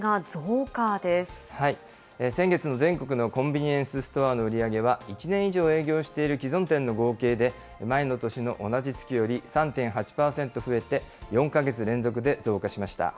先月の全国のコンビニエンスストアの売り上げは、１年以上営業している既存店の合計で、前の年の同じ月より３．８％増えて、４か月連続で増加しました。